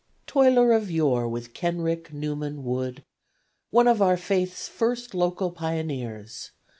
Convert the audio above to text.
Toiler of yore with Kenrick, Neuman, Wood, One of our Faith's first local pioneers!